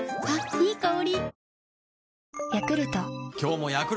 いい香り。